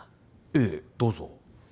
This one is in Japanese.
ええどうぞ。